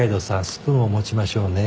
スプーンを持ちましょうね。